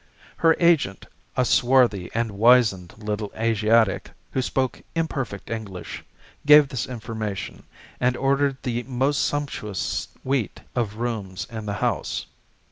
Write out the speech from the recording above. Her agent, a swarthy and wizened little Asiatic, who spoke imperfect English, gave this information, and ordered the most sumptuous suite of rooms in the house.